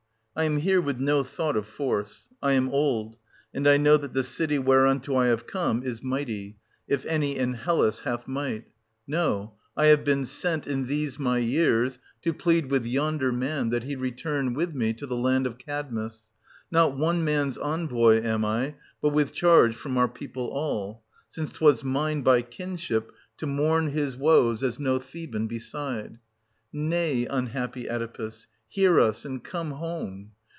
I am here with no thought of force; — I am old, and I know that the city whereunto I have come is mighty, 88 SOPHOCLES, [735—767 if any in Hellas hath might ;— no, — I have been sent, in these my years, to plead with yonder man that he return with me to the land of Cadmus ;— not one man's envoy am I, but with charge from our people all ; since 'twas mine, by kinship, to mourn his woes as no Theban beside. 740 Nay, unhappy Oedipus, hear us, and come home